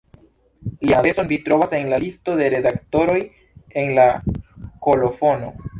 Lian adreson vi trovas en la listo de redaktoroj en la kolofono.